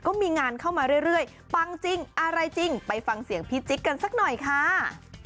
ก็มีงานเข้ามาเรื่อยปังจริงอะไรจริงไปฟังเสียงพี่จิ๊กกันสักหน่อยค่ะ